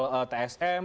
dan juga soal tsm